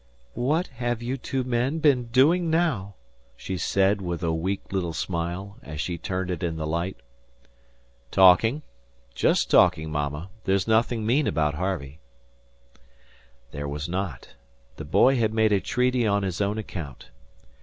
"What have you two been doing now?" she said, with a weak little smile, as she turned it in the light. "Talking just talking, Mama; there's nothing mean about Harvey." There was not. The boy had made a treaty on his own account.